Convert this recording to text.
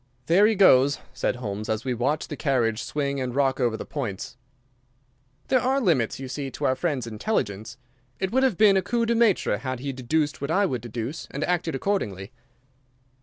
"There he goes," said Holmes, as we watched the carriage swing and rock over the points. "There are limits, you see, to our friend's intelligence. It would have been a coup de maître had he deduced what I would deduce and acted accordingly."